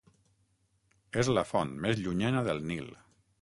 És la font més llunyana del Nil.